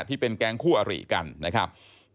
ที่เป็นแก๊งคู่อริกันนะครับ